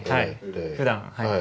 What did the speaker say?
ふだんはい。